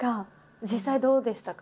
実際どうでしたか？